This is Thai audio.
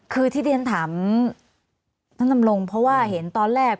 คือที่ดินถามน้ำลงเพราะว่าเห็นตอนแรก